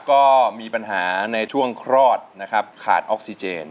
ก็มีปัญหาในช่วงคลอดนะครับขาดออกซิเจน